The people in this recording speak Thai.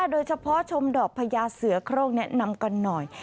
โดยเฉพาะชมดอกพญาเสือโครงแนะนำกันหน่อย